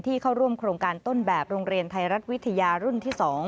เข้าร่วมโครงการต้นแบบโรงเรียนไทยรัฐวิทยารุ่นที่๒